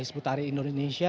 hizbut tahrir indonesia